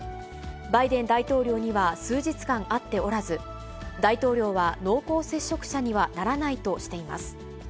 バイデン大統領には数日間会っておらず、大統領は濃厚接触者にはならないとしています。